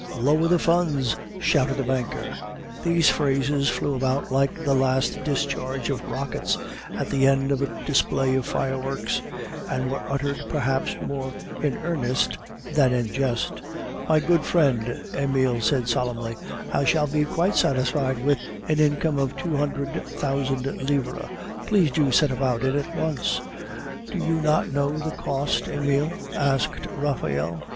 "Lower the funds!" shouted the banker. These phrases flew about like the last discharge of rockets at the end of a display of fireworks; and were uttered, perhaps, more in earnest than in jest. "My good friend," Emile said solemnly, "I shall be quite satisfied with an income of two hundred thousand livres. Please to set about it at once." "Do you not know the cost, Emile?" asked Raphael.